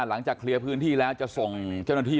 หลังจากเคลียร์พื้นที่แล้วจะส่งเจ้าหน้าที่